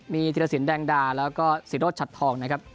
มีธิรสินแดงดาแล้วก็ศิโรธชัดทองนะครับ